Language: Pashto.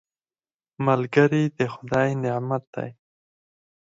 ملګری د خدای نعمت دی